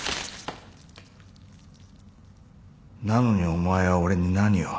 なのにお前は俺に何を？